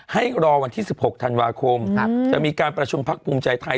ให้รอวันที่๑๖ธันวาคมจะมีการประชุมพักภูมิใจไทย